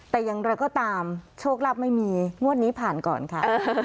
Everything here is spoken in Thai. แต่อย่างไรก็ตามโชคลาภไม่มีงวดนี้ผ่านก่อนค่ะ